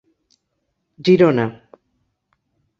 Girona: